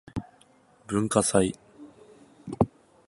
文化祭